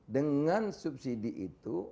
dengan subsidi itu